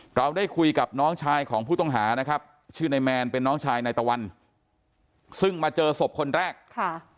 เราได้คุยกับน้องชายของผู้ต้องหานะครับชื่อนายแมนเป็นน้องชายนายตะวันซึ่งมาเจอศพคนแรกค่ะ